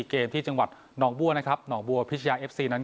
เกมที่น้องบัวน้องบัวพิชญาเอ็ฟซี